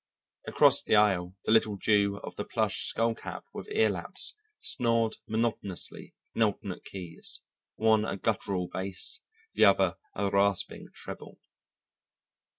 Across the aisle the little Jew of the plush skull cap with ear laps snored monotonously in alternate keys, one a guttural bass, the other a rasping treble.